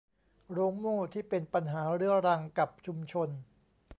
โรงโม่ที่เป็นปัญหาเรื้อรังกับชุมชน